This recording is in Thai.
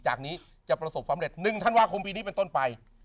จากนี้จะประสบความเร็๑ธันวาคมปีนี้เป็นต้นไป